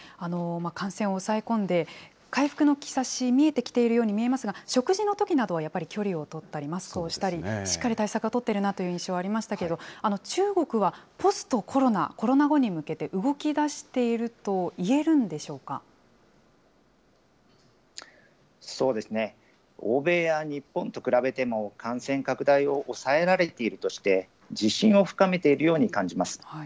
感染を抑え込んで、回復の兆し、見えてきているように見えますが、食事のときなどはやっぱり距離を取ったり、マスクをしたり、しっかり対策を取っているなという印象ありましたけど、中国はポストコロナ、コロナ後に向けて動きだしているといえるんでしょうそうですね、欧米や日本と比べても、感染拡大を抑えられているとして、自信を深めているように感じます。